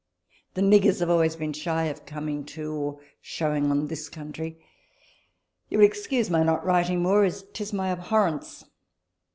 The niggers have always been shy of coming to or showing on this country. You will excuse my not writing more, as 'tis my abhorrence.